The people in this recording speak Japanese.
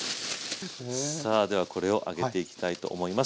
さあではこれを揚げていきたいと思います。